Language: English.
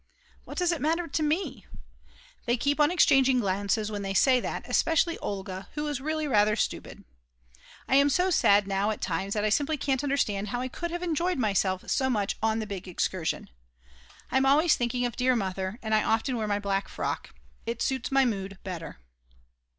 What does it matter to me? They keep on exchanging glances when they say that, especially Olga, who is really rather stupid. I am so sad now at times that I simply can't understand how I could have enjoyed myself so much on the big excursion. I'm always thinking of dear Mother, and I often wear my black frock. It suits my mood better.